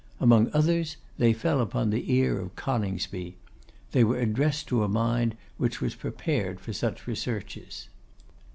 Among others, they fell upon the ear of Coningsby. They were addressed to a mind which was prepared for such researches.